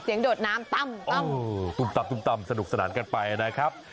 เสียงโดดน้ำตั้มตุ้มตับสนุกสนานกันไปนะครับ